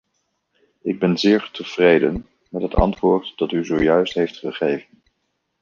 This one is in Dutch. Ik ben zeer tevreden met het antwoord dat u zojuist heeft gegeven.